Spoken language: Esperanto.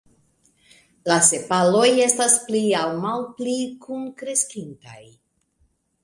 La sepaloj estas pli aŭ malpli kunkreskintaj.